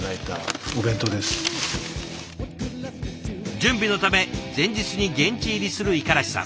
準備のため前日に現地入りする五十嵐さん。